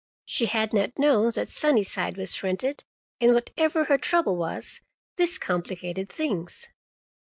She had not known that Sunnyside was rented, and whatever her trouble was, this complicated things.